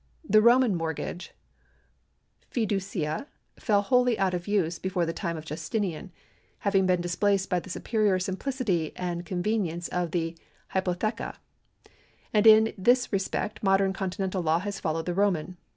The Roman mortgage (fiducia) fell wholly out of use before the time of. Justinian, having been displaced by the superior simplicity and con venience of the hypotheca ; and in this respect modern Continental law has followed the Roman.